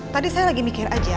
tadi saya lagi mikir aja